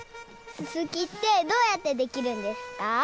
すすきってどうやってできるんですか？